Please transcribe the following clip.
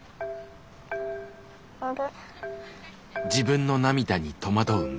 あれ？